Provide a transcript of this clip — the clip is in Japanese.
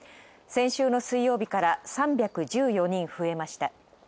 先週の水曜日から３１４人増えました。